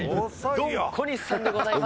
ドン小西さんでございます。